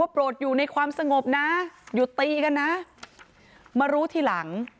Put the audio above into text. โปรดอยู่ในความสงบนะหยุดตีกันนะมารู้ทีหลัง